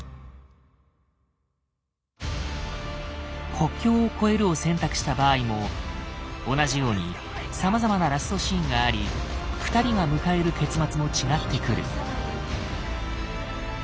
「国境を越える」を選択した場合も同じように様々なラストシーンがあり２人が迎える結末も違ってくる。